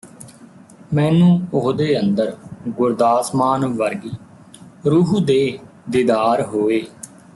ਮੈਨੂੰ ਉਹਦੇ ਅੰਦਰ ਗੁਰਦਾਸ ਮਾਨ ਵਰਗੀ ਰੂਹ ਦੇ ਦੀਦਾਰ ਹੋਏ